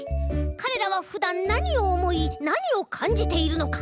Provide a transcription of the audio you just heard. かれらはふだんなにをおもいなにをかんじているのか？